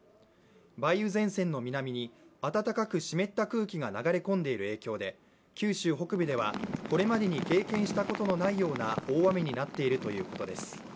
梅雨前線の南に暖かく湿った空気が流れ込んでいる影響で九州北部では、これまでに経験したことのないような大雨になっているということです。